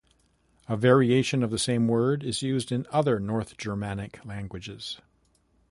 A variation of the same word is used in other North Germanic languages.